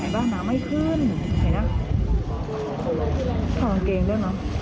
อ๋อเก่งด้วยเนอะ